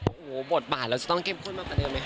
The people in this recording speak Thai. แบบโอ้โหบทบาทเราจะต้องเข้มข้นทั้งเดิมไหมคะ